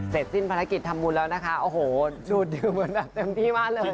เสร็จสิ้นภารกิจทำบุญแล้วนะคะโอ้โหดูดดื่มเหมือนแบบเต็มที่มากเลย